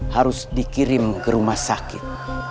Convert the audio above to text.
harus dikirim ke rumah sakit